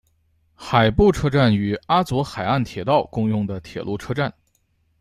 海部车站与阿佐海岸铁道共用的铁路车站。